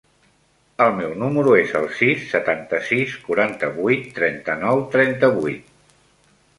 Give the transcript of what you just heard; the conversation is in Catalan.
El meu número es el sis, setanta-sis, quaranta-vuit, trenta-nou, trenta-vuit.